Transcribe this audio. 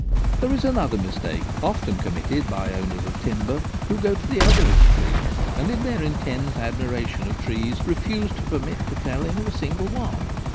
There is another mistake, often committed by owners of timber, who go to the other extreme, and in their intense admiration of trees refuse to permit the felling of a single one.